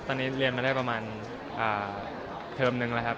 ตอนนี้เรียนมาได้ประมาณเทอมนึงแล้วครับ